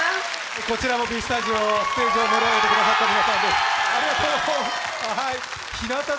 こちらもＢスタジオステージを盛り上げてくださった皆さんです。